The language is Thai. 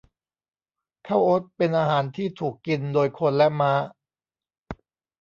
ข้าวโอ๊ตเป็นอาหารที่ถูกกินโดยคนและม้า